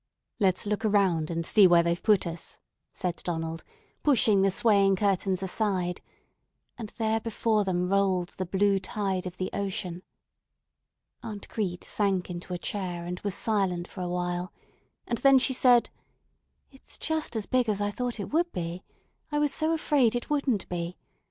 "Let's look around and see where they've put us," said Donald, pushing the swaying curtains aside; and there before them rolled the blue tide of the ocean. Aunt Crete sank into a chair, and was silent for a while; and then she said: "It's just as big as I thought it would be. I was so afraid it wouldn't be.